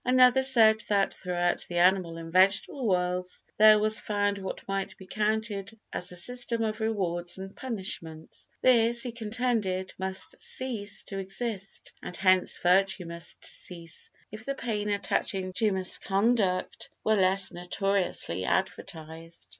Another said that throughout the animal and vegetable worlds there was found what might be counted as a system of rewards and punishments; this, he contended, must cease to exist (and hence virtue must cease) if the pain attaching to misconduct were less notoriously advertised.